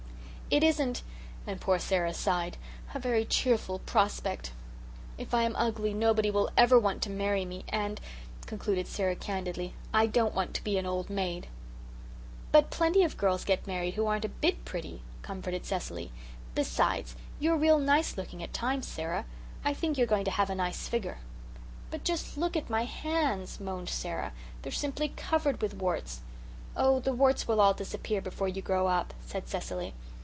It isn't" and poor Sara sighed "a very cheerful prospect. If I am ugly nobody will ever want to marry me, and," concluded Sara candidly, "I don't want to be an old maid." "But plenty of girls get married who aren't a bit pretty," comforted Cecily. "Besides, you are real nice looking at times, Sara. I think you are going to have a nice figure." "But just look at my hands," moaned Sara. "They're simply covered with warts." "Oh, the warts will all disappear before you grow up," said Cecily.